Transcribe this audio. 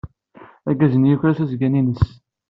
Argaz-nni yuker-as asga-nnes.